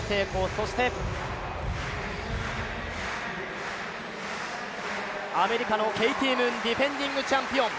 そして、アメリカのケイティ・ムーンディフェンディングチャンピオン。